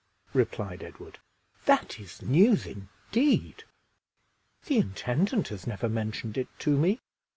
replied Edward, "that is news indeed! The intendant has never mentioned it to me."